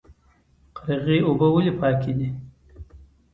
قرغې اوبه ولې پاکې دي؟